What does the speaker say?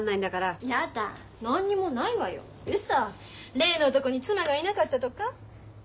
例の男に妻がいなかったとか？